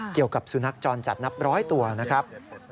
เกี่ยวกับสุนัขจรจัดนับร้อยตัวนะครับ